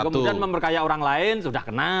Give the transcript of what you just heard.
dan kemudian memperkaya orang lain sudah kena